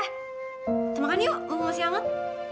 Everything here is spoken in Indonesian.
kita makan yuk ngomong masih hangat